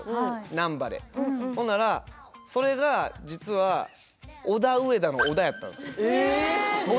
難波でほんならそれが実はオダウエダの小田やったんですよええ？